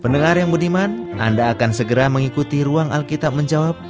pendengar yang mudiman anda akan segera mengikuti ruang alkitab menjawab